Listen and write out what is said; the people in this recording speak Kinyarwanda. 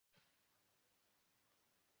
ahantu, birasa, mugihe cyimyaka